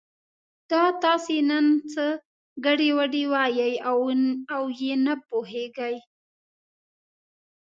دا تاسې نن څه ګډې وډې وایئ او یې نه پوهېږي.